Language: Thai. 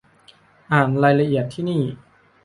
อ่านรายละเอียดที่นี่